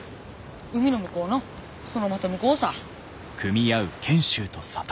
海の向こうのそのまた向こうさ。